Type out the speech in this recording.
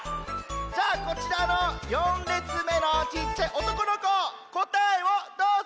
じゃあこちらの４れつめのおとこのここたえをどうぞ。